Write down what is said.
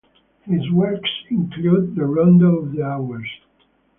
His works include "The Rondo of the Hours".